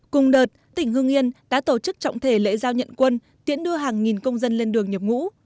cùng đợt tỉnh hương yên đã tổ chức trọng thể lễ giao nhận quân tiễn đưa hàng nghìn công dân lên đường nhập ngũ